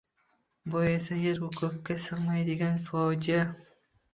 Bu esa yer-u ko‘kka sig‘maydigan fojia...